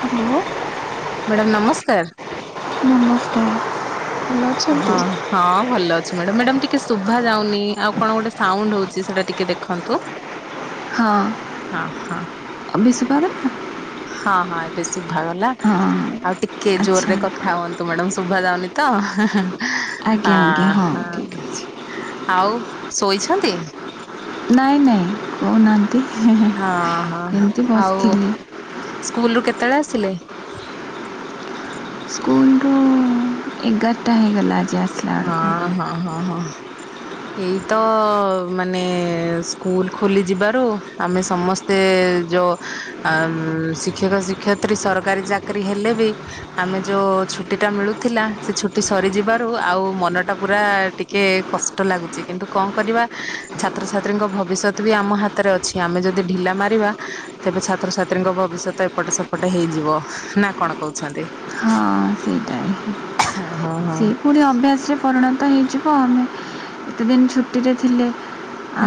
Hello madam ନମସ୍କାର। ନମସ୍କାର ଭଲ ଅଛନ୍ତି? ହଁ ହଁ ଭଲ ଅଛି ମ୍ୟାଡାମ, ମ୍ୟାଡ଼ାମ ଟିକେ ଶୁଭା ଯାଉନି ଆଉ କଣ ଗୋଟେ ସାଉଣ୍ଡ ହଉଛି ସେଟା ଟିକେ ଦେଖନ୍ତୁ। ହଁ ହଁ ହଁ ଏବେ ସା [inaudible] ହଁ ହଁ ଏବେ ଶୁଭି ଶୁଭାଗଲା, ଆଉ ଟିକେ ଆଚ୍ଛା ଜୋରରେ କଥା ହୁଅନ୍ତୁ ମ୍ୟାଡାମ ଶୁଭା ଯାଉନି ତୋ, ହେଁ ଆଜ୍ଞା ଆଜ୍ଞା ହେଁ ହଁ ଠିକ୍ ହଁ ଅଛି। ଆଉ? ଶୋଇଛନ୍ତି? ନାଇଁ ନାଇଁ କହୁନାହାନ୍ତି ହଁ ହଁ ଏମିତି ଆଉ ବସିଥିଲି। ସ୍କୁଲରୁ କେତେ ତେବେଳେ ଆସିଲେ? ସ୍କୁଲରୁ ଏଗାରଟା ହେଇଗଲା ଯାଏ ହଁ ହଁ ହଁ ହଁ ଏଇ ତ ମାନେ ସ୍କୁଲ ଖୋଲି ଯିବାରୁ ଆମେ ସମସ୍ତେ ଯୋଉ ଶିକ୍ଷକ, ଶିକ୍ଷୟତ୍ରୀ ସରକାରୀ ଚାକିରି ହେଲେ ବି ଆମେ ଯୋଉ ଛୁଟି ଟା ମିଳୁଥିଲା ସେ ଛୁଟି ସରିଯିବାରୁ ଆ ଆଉ ମନ ଟା ପୁରା ଟିକେ କଷ୍ଟ ଲାଗୁଛି, କିନ୍ତୁ କଣ କରିବା ଛାତ୍ରଛାତ୍ରୀଙ୍କ ଭବିଷ୍ୟତଃ ବି ଆମ ହାତରେ ଅଛି, ଆମେ ଯଦି ଢିଲା ମାରିବା ତେବେ ଛାତ୍ରଛାତ୍ରୀଙ୍କ ଭବିଷ୍ୟତଃ ଏପଟେ ସେପଟ ହେଇଯିବ, ନା କଣ କହୁଛନ୍ତି? ହଁ ସେଇଟା ହେଁ ହଁ ହଁ ସିଏ ପୁଣି ଅଭ୍ୟାସରେ ପରିଣତ ହେଇଯିବ ଆମେ ଏତେ ଦିନ ଛୁଟିରେ ଥିଲେ।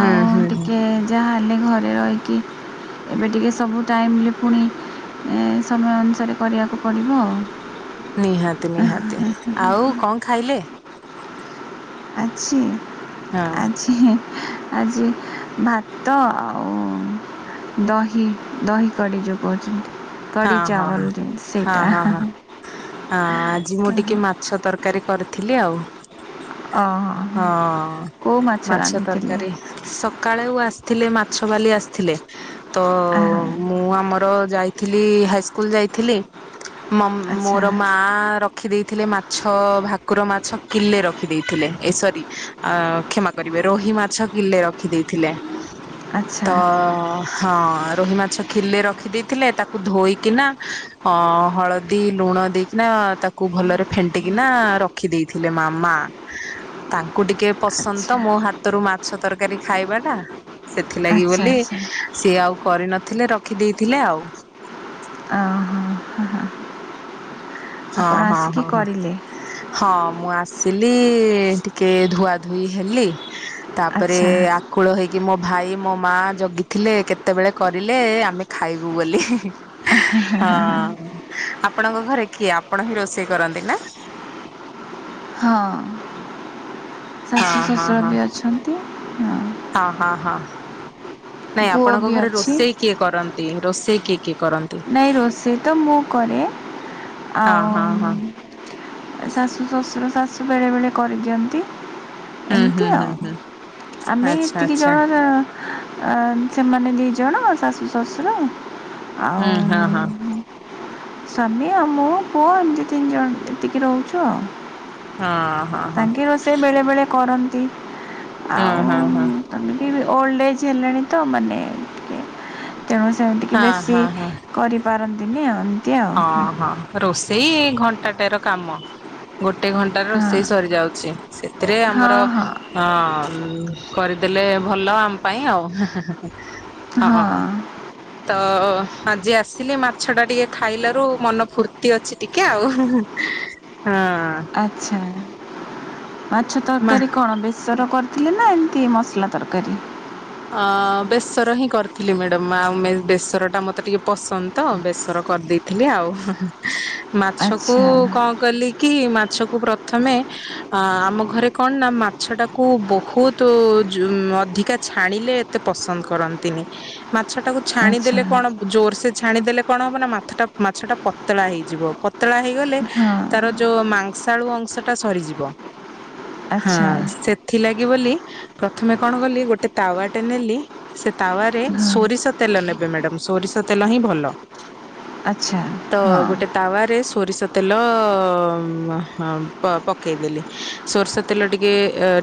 ହୁଁ ହୁଁ ହୁଁ ଟିକେ ଯାହା ଖାଲି ଘରେ ରହିକି ଏବେ ଟିକେ ସବୁ ଟାଇମରେ ପୁଣି ସମୟ ଅନୁସାରେ କରିବାକୁ ପଡ଼ିବ। ନିହାତି, ନିହାତି। ଆଉ କଣ ଖାଇଲେ? ଆଜି ହଁ ଆଜିଁ ହେ ଆଜି ଭାତ ଆଉ ଦହି ଦହି କଡି ଯ କହଚନ୍ତି। ହଁ ହଁ ହଁ ହଁ ହଁ ହଁ। ଅ ଆଜି ମୁଁ ଟିକେ ମାଛ ତରକା କାରୀ କରିଥିଲି ଆଉ। ଓହୋ ହଁ କେଉଁ ମାଛ ରାନ୍ଧିଥିଲେ ତରକାରୀ ସକାଳେ ଉ ଆସ ଥିଲେ ମାଛ ବାଲି ଆସିଥିଲେ। ଆ। ର ଯାଇଥିଲି ହାଇସ୍କୁଲ ଯାଇଥିଲି। ମୋ ଆଚ୍ଛା ମୋର ମା ର ରଖିଦେଇଥିଲେ ମାଛ। ଭାକୁର ମାଛ କିଲେ ରଖିଦେଇଥିଲେ। ଏସରି, କ୍ଷମା କରିବେ। ରୋହି ମାଛ କିଲେ ରଖିଦେଇଥିଲେ। ତ ଆଚ୍ଛା ହଁ, ରୋହି ମାଛ କିଲେ ରଖି ଦେଇେଇଥିଲେ। ତାକୁ ଧୋଇକିନା ଅ ହଳଦୀ ଲୁଣ ଦେଇକିନା ତାକୁ ଭଲରେ ଫେଣ୍ଟିକିନା ରଖି ଦେଇେଥିଲେ ମାମା। ତାଙ୍କୁ ଟିକେ ପସନ୍ଦ ତ ଆଚ୍ଛା ମୋ ହାତରୁ ମାଛ ତରକାରୀ ଖାଇବାଟା। ସେଥିଲାଗି ଆଚ୍ଛା ବୋଲି ଆଚ୍ଛା ସିଏ ଆଉ କରିନଥିଲେ। ରଖି ଦେଇେଇଥିଲେ ଆଉ। ଓହୋ ହଁ, ଆପଣ ହଁ ଆସିକି ହଁ ହ କରିଲେ ହଁ। ମୁଁ ଆସିଲି ଟିକେ ଧୁଆ ଧୋଇ ହେଲି। ତାପରେ ଆଚ୍ଛା ଆକୁଳ ହେଇକି ମୋ ଭାଇ ମୋ ମା ଜଗିଥିଲେ, କେତେବେଳେ କରିଲେ ଆମେ ଖାଇବୁ ବୋଲି। ହଁ। ଆ ଆପଣଙ୍କ ଘରେ କିଏ ଆପଣ ହିଁ ରୋଷେଇ କରନ୍ତି ନା? ହଁ। ଶାଶୁ ହଁ ଶଶୁର ହଁ ବି ଅଛନ୍ତି। ହୁଁ। ହଁ [inaudible] ନାଇଁ ଆପଣଙ୍କ ଘରେ ରୋଷେଇ କିଏ କରନ୍ତି? ରୋଷେଇ କିଏ କି? ନାଇଁ ରୋଷେଇ ତ ମୁଁ କରେ। ହଁ ଆଉ ହଁ ହଁ ଶାଶୁ ଶଶୁର ଶାଶ ଶୁ ବେଳେବେେଳେ କରିଦିଅନ୍ତି। ହୁଁ ହୁଁ ଏମିତି ହୁଁ ଆଉ। ହୁଁ ଆମେ ଆଚ୍ଛା ଏତିକି ଆଚ୍ଛା ଜଣ ଆ ସେମାନେ ଦି ଜଣ ଶାଶୁଶ ଶଶୁର। ହୁଁ ହଁ ହଁ। ସ୍ୱାମୀ ଆଉ ମୋ ପୁଅ ଏମିତି ତିନି ଜଣ ଏତିକି ରହୁଛୁ ଆଉ। ହଁ ହଁ ହଁ ତାଙ୍କ ରୋଷେଇ ବେଳେବେେଳେ କରନ୍ତି। କି? ହଁ ଆଉ ହଁ ହଁ। ତମେ? ଏବେ ଓଲ୍ଡ୍ ଏଜ୍ ହେଲାଣି ତ ମାନେ ଟିକେ। ତେଣୁ ସେମିତିକି ହଁ ବେଶୀ। ହଁ ହଁ କରିପାରନ୍ତିନି ଏମ୍ ହଁ ହଁ ରୋଷ୍ ସେଇ ଘଣ୍ଟାଟେର କାମ ଗୋଟେ ଘଣ୍ଟାରେ ରୋଷେଇ ହଁ ସରି ଯାଉଛି ସେ ଏଥିରେ ହଁ ଆମର ଅଁ ହଁ ଅଁ ଉଁ କରିଦେଲେ ଭଲ ଆମ ପାଇଁ ଆଉ ହେଁ ହେଁ ହେଁ ହଁ ତଅଅ ଆଜି ଆସିଲି ମାଛଟା ଟିକେ ଖାଇଲାରୁ ମନ ଫୁର୍ତ୍ତି ଅଛି ଟିକେ ଆଉ ହୁଁ ହୁଁ ଉଁ। ଆଚ୍ଛା ମାଛ ମା ତରକାରୀ କଣ ବେସର କର୍? ଥିଲେ ନା ଏମିତି ମସଲା ତରକାରୀ? ଅଁ ଅଁ ବେସର ହିଁ କରିଥିଲି ମ୍ୟାଡାମ୍ ଆଉ ମେ ବେସରଟା ମତେ ଟିକେ ପସନ୍ଦ ତ ବେସର କରିଦେଇଥିଲି ଆଉ ଉହୁଁ ହୁଁ। ମାଛକୁ ଆଚ୍ଛା କଣ କଲି କି ମା ମାଛକୁ ପ୍ରଥମେ ଆ ଆମ ଘରେ କଣ ନା ମାଛଟାକୁ ବହୁତ ଜୋ ଅଧିକା ଛାଣିଲେ ଏତେ ପସନ୍ଦ କରନ୍ତିନି ମା ମାଛଟାକୁ ଆଚ୍ଛା ଛାଣିଦେଲେ କଣ ଜୋରସେେ ଛାଣିଦେଲେ। କଣ ହବ ନା, ମାଥଟା ମାଛଟା ପତଳା ହେଇଯିବ ପତଳା ହେଇ ଗଲେ ହଁ ତାର ଯୋଉ ମାଂସ୍ ଳୁ ଅଂଶଟା ସରିଯିବ। ହଁ ଆଚ୍ଛା ସେଥିଲା [inaudible] ବୋଲି ପ୍ରଥମେ କଣ କଲି ଗୋଟେ। ତାୱାଟେ ନେଲି ସେ ତାୱାରେ ହଁ ସୋରିଷ ତେଲ ନେବେ ମ୍ୟାଡ଼ାମ୍ ସୋରିଷ ତେଲ ହିଁ ଭଲ। ଆଚ୍ଛା ତ ଗୋଟେ ହଁ ତାୱାରେ ସୋରିଷ। ତେଲଅଅ ହଁ ପ ପକେଇଦେଲି, ସୋରିଷ ତେଲ ଟିକେ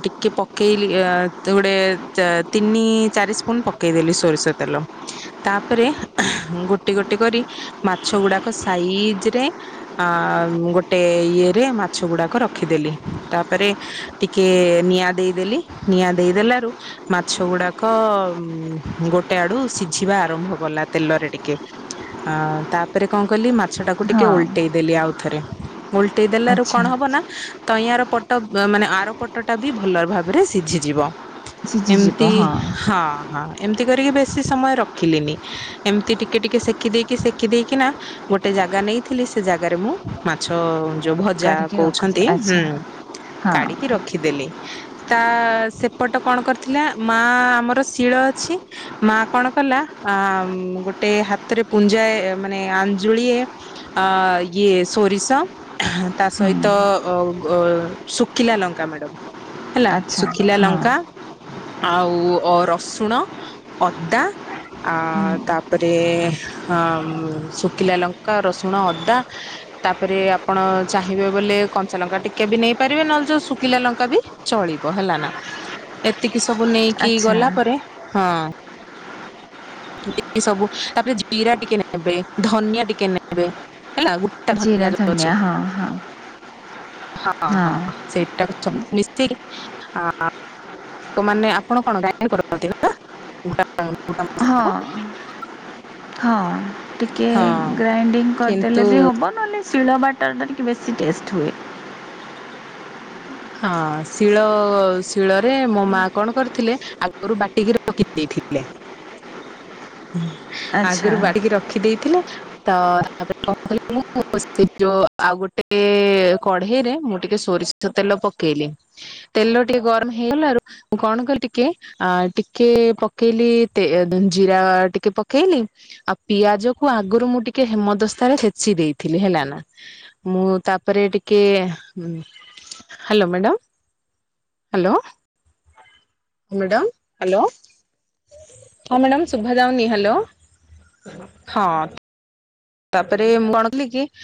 ଟିକେ ପକେଇଲି ଗୁଡେ ଉ ତିନି ଚାରି ସ୍ପୁନ ପକେଇଦେଲି ସୋରିଷ ତେଲ, ତାପରେ ଗୋଟି ଗୋଟି କରି ମାଛ ଗୁଡ଼ାକ ସାଇଜରେ ଗୋଟେ ଇଏରେ ମାଛ ଗୁଡ଼ାକ ରଖିଦେଲି ତାପରେ ଟିକେ ନିଆଁ ଦେଇଦେଲି ନିଆଁ ଦେଇଦେଲାରୁ ମାଛ ଗୁଡାକ ଉ ଗୋଟେ ଆଡୁ ସିଝିବା ଆରମ୍ଭ କଲା ତେଲରେ ଟିକେ, ଅ ତାପରେ କଣ କଲି ମା ଛଟାକୁ ଟିକେ ହଁ ଓଲଟେଇ ଦେଲି ଆଉ। ଥରେ, ଓଲ୍ ଟେଇ ଦେଲାରୁ କଣ ଆଚ୍ଛା ହବ ନା ତଇଁ ଆର ପଟ ମାନେ ଆର ପଟଟା ବି ଭଲ ଭାବରେ ସିଝିଯିବ। ଏମତି ହଁ ହଁ ଏମିତି କରିକି ବେଶି ସମୟ ରଖିଲିନି, ଏମିତି ଟିକେ ଟିକେ ସେକି ଦେଇକି ସେକି ଦେଇକିନା ଗୋଟେ ଜାଗା ନେଇଥିଲି ସେ ଜାଗାରେ ମୁଁ ମାଛ ଯଉ ଭଜା କାଢ଼ିକି ରଖୁଛ କହୁଛନ୍ତି ହୁଁ ଆଚ୍ଛା ହଁ କାଢିକି ରଖିଦେଲି। ତା ସେପଟ କଣ କରି ଥିଲା, ମା ଆମର ଶିଳ ଅଛି ମା କଣ କଲା ଆ ଗୋଟେ ହାତରେ ପୁଞ୍ଜାଏ ମାନେ ଆଞ୍ଜୁଳିଏ ଅ ଇଏ ସୋରିଷ ତା ସହିତ ହୁଁ ଅ ଗ ଶୁଖିଲା ଲଙ୍କା ମ୍ୟାଡମ୍। ହେଲା ଆଚ୍ଛା ଶୁଖିଲା ହଁ ଲଙ୍କା। ଆଉ ଅ ରସୁଣ, ଅଦା ଆ ହୁଁ ତାପରେ ଅ ଶୁଖିଲା ଲଙ୍କା, ରସୁଣ, ଅଦା ତାପରେ ଆପଣ ଚାହିଁବେ ବୋଲେ କଞ୍ଚା ଲଙ୍କା ଟିକେ ବି ନେଇପାରିବେ, ନହେଲେ ଯଉ ଶୁଖିଲା ଲଙ୍କା ବି ଚଳିବ ହେଲା ନା। ଏ ଏ ସବୁ ନେଇକି ଆଚ୍ଛା ଗଲା ପରେ, ହଁ। ଏ ସବୁ ତାପରେ ଜିରା ଟିକେ ନେବେ, ଧନିଆ ଟିକେ ନେବେ। ହେଲା ଗୋଟା ଜିରା ଧନିଆ ଯଉ ଅଛି। ହଁ ହଁ ହଁ ହଁ ହଁ ସେଇଟାକୁ ସବୁ ମିଶେଇକି ହଁ। ତମାମାନେ ଆପଣ କଣ [unintelligible] ଗାଈ କରନ୍ତି ତ? ହଁ ହଁ। ଟିକେ ହଁ ଗ୍ରାଇଣ୍ଡିଙ୍ଗ କିନ୍ତୁ କରିଦେଲେ ବି ହବ। ନହେଲେ ଶିଳ ବାଟଟା ଟିକେ ବେଶୀ ଟେଷ୍ଟ ହୁଏ। ହଁ ଶିଳ, ଶିଳରେ ମୋ ମା କଣ କରିଥିଲେ ଆଗରୁ ବାଟିକି ରଖି ଦେଇେଥିଲେ। ହୁଁ, ଆଗରୁ ଆଚ୍ଛା ବାଡିକି ରଖିଦେଇଥିଲେ। ତ ତାପରେ [unintelligible] ମୁଁ ଯଉ ଆଉ ଗୋଟେ କଢେଇରେ ମୁଁ ଟିକେ ସୋରିଷ ତେଲ ପକେଇଲି। ତେଲ ଟିକେ ଗରମ ହେଇଗଲାରୁ ମୁଁ କଣ କଲି ଟିକେ ଆ ଟିକେ ପକେଇଲି ତେ ଜି ଲ ଟିକେ ପକେଇଲି। ଆଉ ପିଆକୁ ଆଗରୁ ମୁଁ ଟିକେ ହେମାଦସ୍ତା ରେ ଛେଚି ଦେଇଥିଲି ହେଲା ନା। ମୁଁ ତାପରେ ଟିକେ ଉଁ, hello madam, hello. Madam. Hello ହଁ ମ୍ୟାଡମ୍ ସୁଭଯାଉନି। ହ୍ୟାଲୋ ହଁ। ତାପରେ ମୁଁ କଣଥିଲି କି?